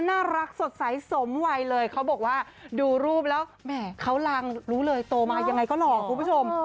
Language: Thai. น่ารักสดใสสมวัยเลยเขาบอกว่าดูรูปแล้วแหมเขารังรู้เลยโตมายังไงก็หล่อคุณผู้ชม